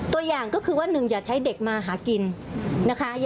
ตัวอย่างก็คือว่า๑อย่าใช้เด็กมาหากินนะคะ